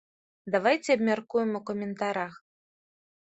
Давайце абмяркуем у каментарах!